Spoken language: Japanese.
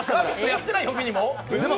やってないときにも？